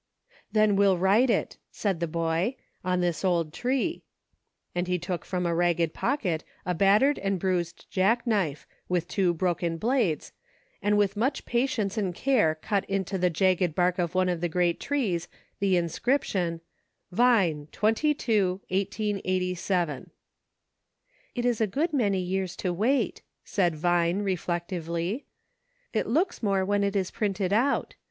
"Then we'll write it," said the boy, "on this old EIGHT AND TWELVE. * 5 tree," and he took from a ragged pocket a battered and bruised jackknife, with two broken blades, and with much patience and care cut into the jagged bark of one of the great trees the inscription : "Vine, 22, 1887." " It is a good many years to wait," said Vine, re flectively. " It looks more when it is printed out.